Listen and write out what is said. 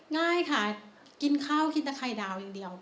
ง่ายค่ะกินข้าวคิดแต่ไข่ดาวอย่างเดียว